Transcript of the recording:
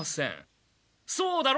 そうだろ？